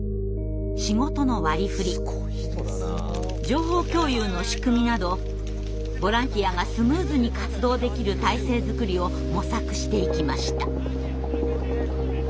仕事の割りふり情報共有の仕組みなどボランティアがスムーズに活動できる体制作りを模索していきました。